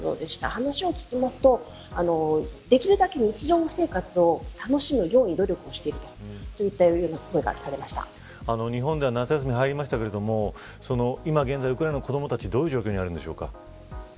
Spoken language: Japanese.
話を聞くと、できるだけ日常生活を楽しむように努力をしている日本では夏休みに入りましたが今現在、ウクライナの子どもたちどういう状況なのでしょうか。